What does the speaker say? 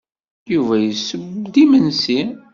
Yuba yesseww-d imensi.